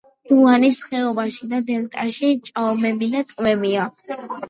დუნაის ხეობაში და დელტაში ჭაობები და ტბებია.